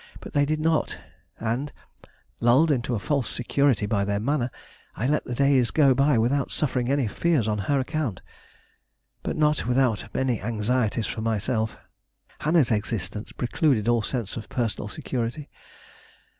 But they did not, and, lulled into a false security by their manner, I let the days go by without suffering any fears on her account. But not without many anxieties for myself. Hannah's existence precluded all sense of personal security.